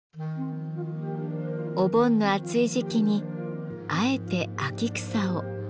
お盆の暑い時期にあえて秋草を。